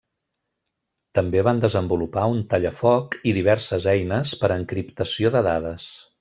També van desenvolupar un tallafoc i diverses eines per a encriptació de dades.